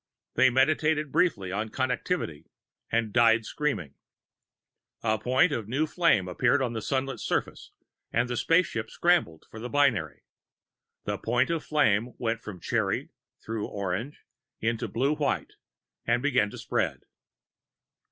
They meditated briefly on Connectivity and died screaming. A point of new flame appeared on the sunlet's surface and the spaceship scrambled for the binary. The point of flame went from cherry through orange into the blue white and began to spread.